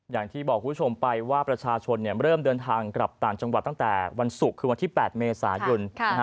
อย่างที่บอกคุณผู้ชมไปว่าประชาชนเริ่มเดินทางกลับต่างจังหวัดตั้งแต่วันศุกร์คือวันที่๘เมษายน